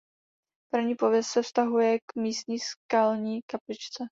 První pověst se vztahuje k místní skalní kapličce.